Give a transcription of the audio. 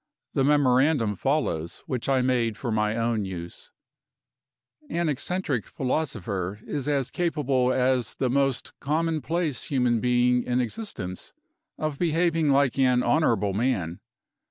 The memorandum follows which I made for my own use: An eccentric philosopher is as capable as the most commonplace human being in existence of behaving like an honorable man.